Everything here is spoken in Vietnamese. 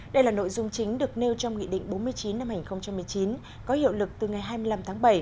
đây là nội dung chính được nêu trong nghị định bốn mươi chín năm hai nghìn một mươi chín có hiệu lực từ ngày hai mươi năm tháng bảy